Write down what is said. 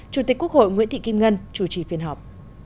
chủ tịch quốc hội nguyễn thị kim ngân chủ trì phiên họp